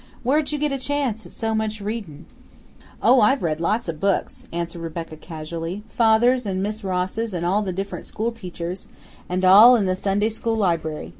Where'd you get a chance at so much readin'?" "Oh, I've read lots of books," answered Rebecca casually. "Father's and Miss Ross's and all the dif'rent school teachers', and all in the Sunday school library.